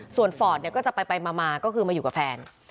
ส่วนฟอร์ตก็จะไปมาก็คือมาอยู่กับแฟน